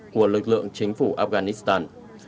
của lực lượng chính phủ afghanistan